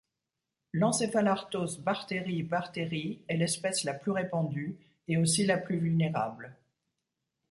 L'encephalartos barteri barteri est l'espèce la plus répandue et aussi la plus vulnérable.